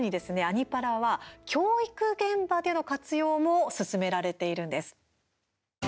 「アニ×パラ」は教育現場での活用も進められているんです。